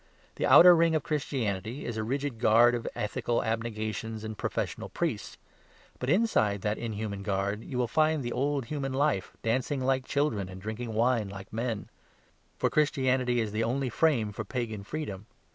The outer ring of Christianity is a rigid guard of ethical abnegations and professional priests; but inside that inhuman guard you will find the old human life dancing like children, and drinking wine like men; for Christianity is the only frame for pagan freedom.